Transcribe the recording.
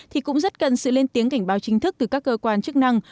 thì cũng rất cần sự lên tiếng cảnh báo chính thức từ các cơ quan chức năng